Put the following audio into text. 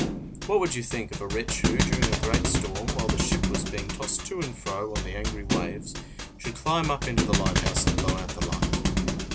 What would you think of a wretch who, during a great storm, while the ship was being tossed to and fro on the angry waves, should climb up into the light house and blow out the light?